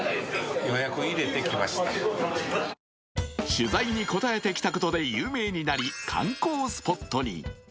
取材に応えてきたことで有名になり観光スポットに。